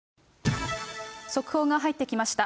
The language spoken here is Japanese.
速報が入ってきました。